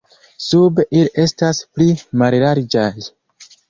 Sube ili estas pli mallarĝaj.